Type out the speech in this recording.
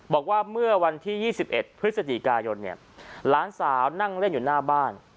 บอกว่าเมื่อวันที่๒๑พฤศจิกายนเนี่ยหลานสาวนั่งเล่นอยู่หน้าบ้าน